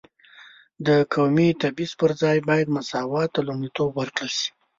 د قومي تبعیض پر ځای باید مساوات ته لومړیتوب ورکړل شي.